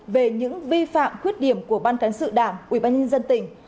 về những vi phạm khuyết điểm của ban cán sự đảng ủy ban nhân dân tỉnh